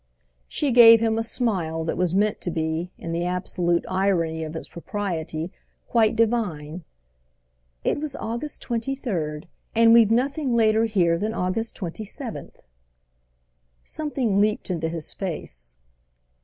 She gave him a smile that was meant to be, in the absolute irony of its propriety, quite divine. "It was August 23rd, and we've nothing later here than August 27th." Something leaped into his face.